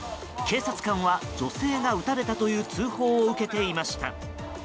警察官は、女性が撃たれたという通報を受けていました。